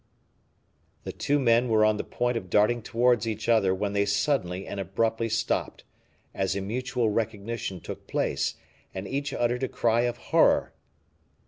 The two men were on the point of darting towards each other when they suddenly and abruptly stopped, as a mutual recognition took place, and each uttered a cry of horror.